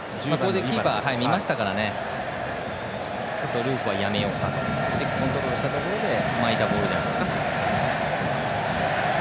キーパーを見ましたからちょっとループはやめてコントロールして巻いたボールじゃないですか。